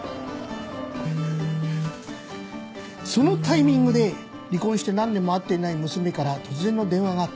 そのタイミングで離婚して何年も会っていない娘から突然の電話があった。